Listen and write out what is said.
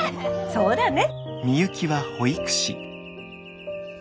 そうだね。